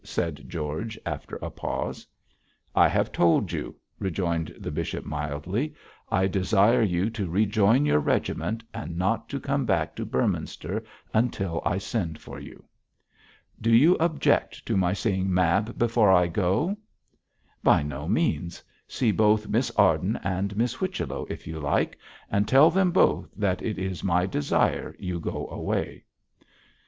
asked George, after a pause. 'I have told you,' rejoined the bishop, mildly. 'I desire you to rejoin your regiment and not come back to Beorminster until I send for you.' 'Do you object to my seeing Mab before I go?' 'By no means; see both Miss Arden and Miss Whichello if you like, and tell them both that it is by my desire you go away.'